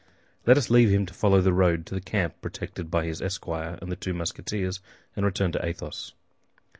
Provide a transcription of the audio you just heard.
Let us leave him to follow the road to the camp protected by his esquire and the two Musketeers, and return to Athos.